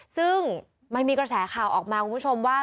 ซึ่งมันมีกระแสข่าวออกมาคุณผู้ชมว่า